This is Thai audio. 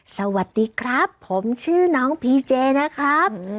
สวัสดีครับผมชื่อน้องพีเจนะครับ